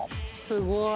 すごい。